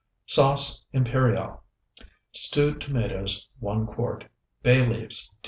SAUCE IMPERIAL Stewed tomatoes, 1 quart. Bay leaves, 2.